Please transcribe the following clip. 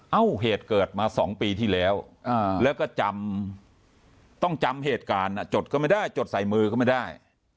เหตุเกิดมา๒ปีที่แล้วแล้วก็จำต้องจำเหตุการณ์จดก็ไม่ได้จดใส่มือก็ไม่ได้